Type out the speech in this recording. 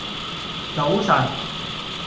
早晨